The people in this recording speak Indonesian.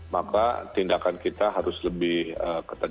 maka tindakan kita harus lebih ketat